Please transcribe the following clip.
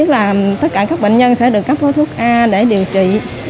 tất cả các bệnh nhân sẽ được cấp gói thuốc a để điều trị